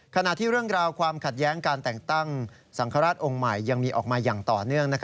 ขณะที่เรื่องราวความขัดแย้งการแต่งตั้งสังฆราชองค์ใหม่ยังมีออกมาอย่างต่อเนื่อง